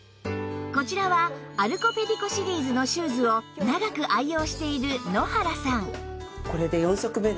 こちらはアルコペディコシリーズのシューズを長く愛用している野原さん